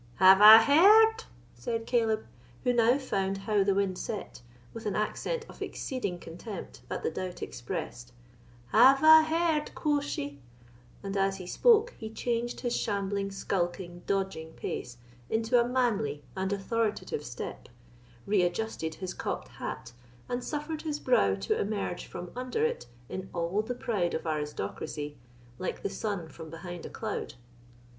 "Have I heard!!!" said Caleb, who now found how the wind set, with an accent of exceeding contempt, at the doubt expressed—"have I heard, quo'she!!!" and as he spoke he changed his shambling, skulking, dodging pace into a manly and authoritative step, readjusted his cocked hat, and suffered his brow to emerge from under it in all the pride of aristocracy, like the sun from behind a cloud.